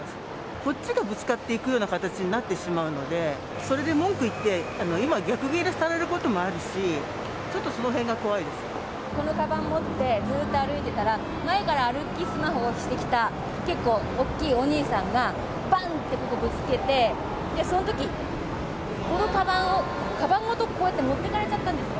こっちがぶつかっていくような形になってしまうので、それで文句言って、今、逆切れされることもあるし、このかばん持って、ずっと歩いてたら、前から歩きスマホをしてきた結構大きいお兄さんが、ばんって、ここぶつけて、そのとき、このかばんを、かばんごと、こう持ってかれちゃったんですよ。